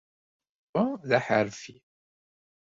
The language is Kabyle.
Yuba d aḥerfi.